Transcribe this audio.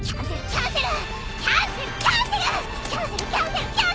キャンセル！